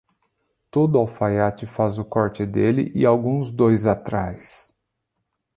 Todo alfaiate faz o corte dele e alguns dois atrás.